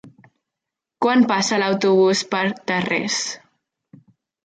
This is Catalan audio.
Quan passa l'autobús per Tarrés?